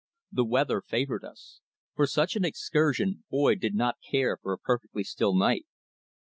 The weather favoured us. For such an excursion Boyd did not care for a perfectly still night.